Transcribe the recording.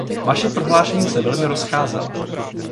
Vaše prohlášení se velmi rozcházela.